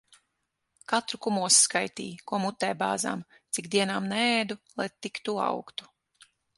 Katru kumosu skaitīja, ko mutē bāzām. Cik dienām neēdu, lai tik tu augtu.